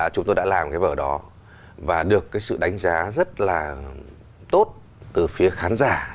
chúng tôi đã làm cái vở đó và được cái sự đánh giá rất là tốt từ phía khán giả